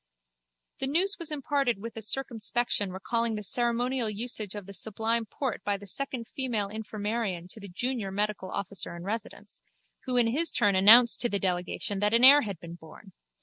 The news was imparted with a circumspection recalling the ceremonial usage of the Sublime Porte by the second female infirmarian to the junior medical officer in residence, who in his turn announced to the delegation that an heir had been born.